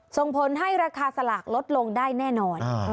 ส่งผลให้ราคาสลากลดลงได้แน่นอน